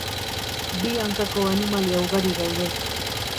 Bi hainkako animalia ugari daude